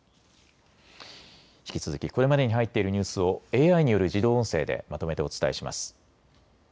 引き続きこれまでに入っているニュースをＡＩによる自動音声でまとめてお伝えします。